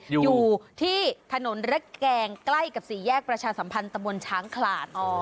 อยู่ที่ถนนระแกงใกล้กับสี่แยกประชาสัมพันธ์ตะบนช้างขลาด